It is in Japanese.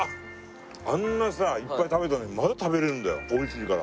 あんなさいっぱい食べたのにまだ食べられるんだよ美味しいから。